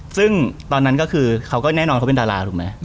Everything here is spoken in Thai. ซึ่งตอนนั้นก็คือเขาก็แน่นอนเขาเป็นดาราถูกไหม